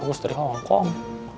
bagus dari hongkong